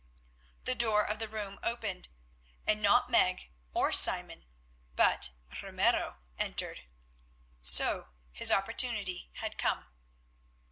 The door of the room opened, and not Meg or Simon, but Ramiro entered. So his opportunity had come!